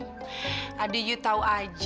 soalnya jang safira itu harus tampak matching